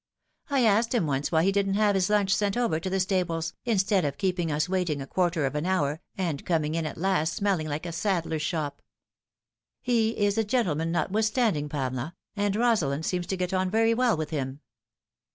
I asked him once why he didn't have his lunch sent over to the stables, instead of keeping us waiting a quarter of an hour, and coming in at last smelling like a saddler's shop." " He is a gentleman, notwithstanding, Pamela, and Rosalind seems to get on very well with him."